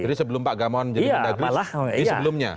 jadi sebelum pak gamawan jadi pendagus ini sebelumnya